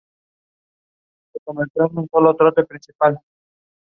I understand why some people can hear a little Siouxsie in what we do.